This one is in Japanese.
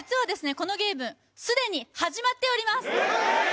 このゲームすでに始まっております